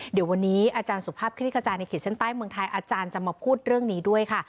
เดี๋ยววันนี้อาจารย์สุภาพคลิกกระจายในขีดเส้นใต้เมืองไทยอาจารย์จะมาพูดเรื่องนี้ด้วยค่ะ